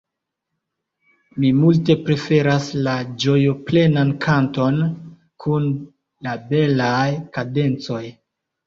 Mi multe preferas la ĝojoplenan kanton kun la belaj kadencoj.